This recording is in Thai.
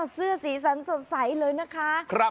เสื้อสีสันสดใสเลยนะคะ